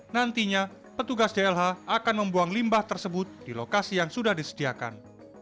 nantinya petugas dlh akan membuang limbah tersebut di lokasi yang sudah disediakan